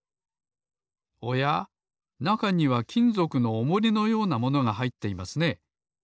おやなかにはきんぞくのおもりのようなものがはいっていますね。